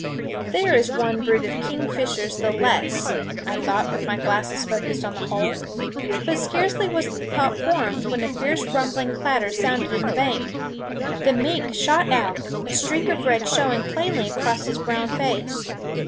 "There is one brood of kingfishers the less," I thought, with my glasses focused on the hole. But scarcely was the thought formed, when a fierce rumbling clatter sounded in the bank. The mink shot out, a streak of red showing plainly across his brown face.